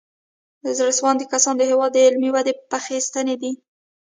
زړه سواندي کسان د هېواد د علمي ودې پخې ستنې دي.